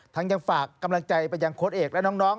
ยังฝากกำลังใจไปยังโค้ดเอกและน้อง